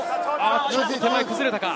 ちょっと手前が崩れたか。